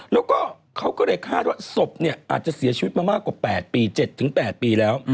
แล้วก็เขาก็เลยคาดว่าศพเนี่ยอาจจะเสียชีวิตมามากกว่า๘ปี๗๘ปีแล้ว